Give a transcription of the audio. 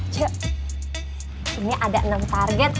juk ini ada enam target